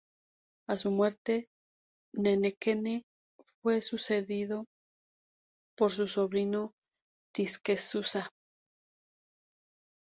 A su muerte, Nemequene fue sucedido por su sobrino, Tisquesusa.